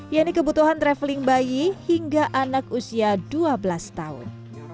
yaitu kebutuhan traveling bayi hingga anak usia dua belas tahun